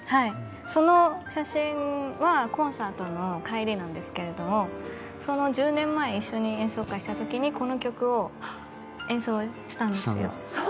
その写真はコンサートの帰りなんですがその１０年前一緒に演奏会した時にそうなんですか。